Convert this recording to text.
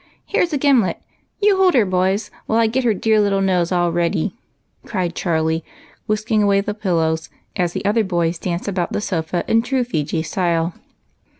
Here 's a gimlet, so you hold her, boys, while I get her dear little nose all ready," cried Charlie, whisking away 8* L 1T8 EIGHT COUSINS. the pillows as the other boys danced about the sot'a in true Fiji style.